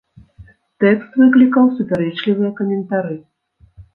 Тэкст выклікаў супярэчлівыя каментары.